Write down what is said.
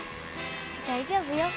大丈夫よ。